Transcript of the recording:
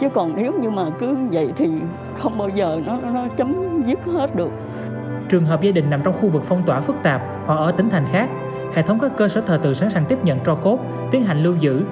hệ thống các cơ sở thờ tự sẵn sàng tiếp nhận cho cốt tiến hành lưu giữ